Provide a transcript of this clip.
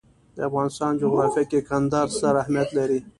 د افغانستان جغرافیه کې کندهار ستر اهمیت لري.